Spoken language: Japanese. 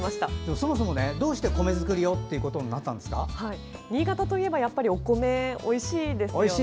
そもそも、どうして米作りをってことに新潟といえば、やっぱりお米おいしいですよね。